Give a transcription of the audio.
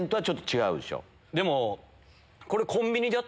でも。